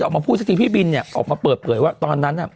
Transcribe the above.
ออกมาพูดสักทีพี่บินเนี่ยออกมาเปิดเผยว่าตอนนั้นน่ะ